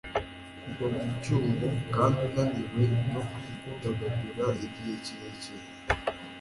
kugwa mu cyuho kandi unaniwe no kwidagadura igihe kirekire